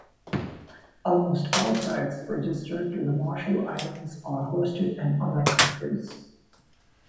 Almost all sites registered to the Marshall Islands are hosted in other countries.